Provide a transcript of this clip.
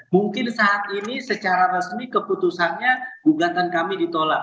mungkin saat ini secara resmi keputusannya gugatan kami ditolak